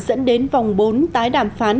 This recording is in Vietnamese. dẫn đến vòng bốn tái đàm phán